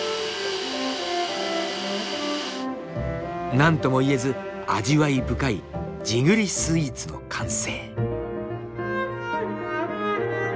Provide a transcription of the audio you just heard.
何ともいえず味わい深い地栗スイーツの完成。